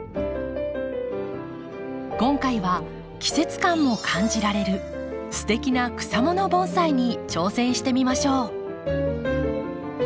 今回は季節感も感じられるすてきな草もの盆栽に挑戦してみましょう。